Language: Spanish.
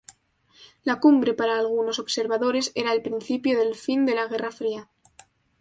La cumbre para algunos observadores era el principio del fin de la Guerra Fría.